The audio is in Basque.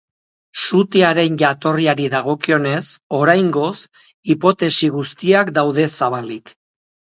Sutearen jatorriari dagokionez, oraingoz, hipotesi guztiak daude zabalik.